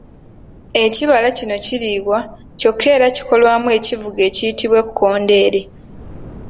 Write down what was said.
Ekibala kino kiriibwa kyokka era kikolwamu ekivuga ekiyitibwa ekkondeere.